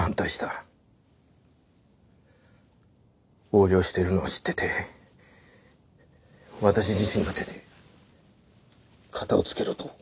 横領しているのを知ってて私自身の手で片をつけろと私に命令した。